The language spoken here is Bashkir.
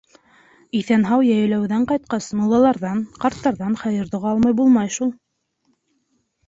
Иҫән-һау йәйләүҙән ҡайтҡас, муллаларҙан, ҡарттарҙан хәйер-доға алмай булмай шул.